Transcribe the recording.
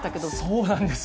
そうなんです。